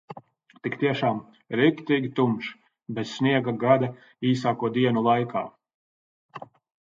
Tik tiešām, riktīgi tumšs, bez sniega gada īsāko dienu laikā.